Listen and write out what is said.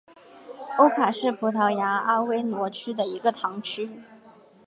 欧卡是葡萄牙阿威罗区的一个堂区。